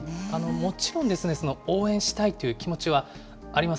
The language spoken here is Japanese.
もちろん、応援したいという気持ちはあります。